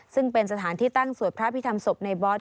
ซึ่งเป็นสถานที่ตั้งสวดพระพิธรรมศพในบอส